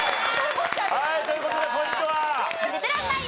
はいという事でポイントは？